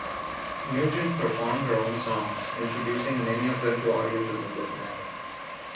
Nugent performed her own songs, introducing many of them to audiences in this manner.